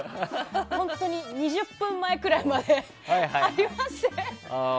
本当に２０分ぐらい前までありまして。